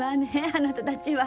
あなたたちは。